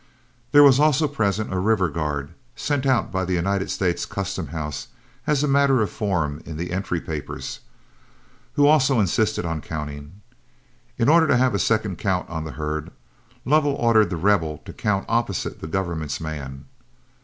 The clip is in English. There was also present a river guard, sent out by the United States Custom House, as a matter of form in the entry papers, who also insisted on counting. In order to have a second count on the herd, Lovell ordered The Rebel to count opposite the government's man.